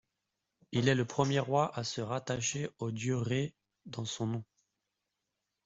Il est le premier roi à se rattacher au dieu Rê dans son nom.